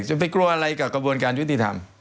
ไปกลัวอะไรกับกระบวนการยุติธรรม